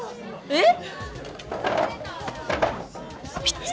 えっ？